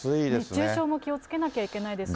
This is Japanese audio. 熱中症も気をつけなきゃいけないですね。